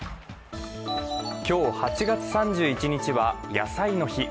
今日、８月３１日は野菜の日。